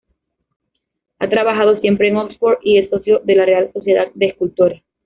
Ha trabajado siempre en Oxford y es socio de la Real Sociedad de Escultores.